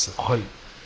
はい。